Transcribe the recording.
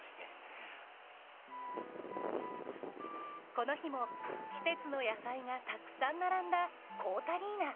この日も季節の野菜がたくさん並んだこーたりな。